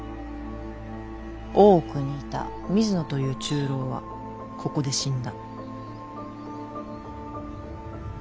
大奥にいた水野という中臈はここで死んだ。